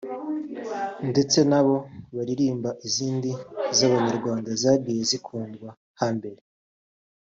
ndetse nabo baririmba izindi z’abanyarwanda zagiye zikundwa hambere